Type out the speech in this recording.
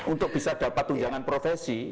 untuk bisa dapat tunjangan profesi